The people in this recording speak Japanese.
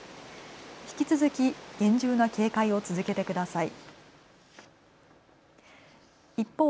引き続き厳重な警戒を続けてください。